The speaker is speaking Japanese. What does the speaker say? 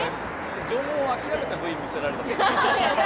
縄文を諦めたＶＴＲ見せられた。